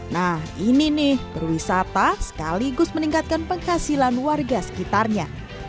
nah ini nih berwisata sekaligus meningkatkan penghasilan warga sekitarnya